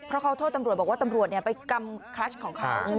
เพราะเขาโทษตำรวจบอกว่าตำรวจไปกำคลัชของเขาใช่ไหม